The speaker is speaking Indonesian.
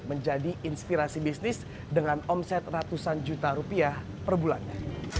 menjadi inspirasi bisnis dengan omset ratusan juta rupiah per bulannya